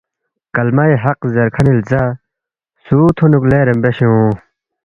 کلمہءِ حق زیرکھنی لزا سُو تھونوک لے رنموشیونگ